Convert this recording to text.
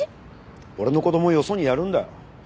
俺の子供をよそにやるんだ。